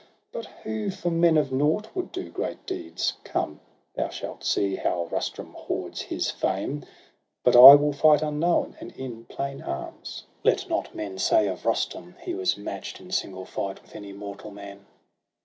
But who for men of nought would do great deeds ? Come, thou shalt see how Rustum hoards his fame! But I will fight unknown, and in plain arms ; Let not men say of Rustum, he was match'd In single fight with any mortal man.'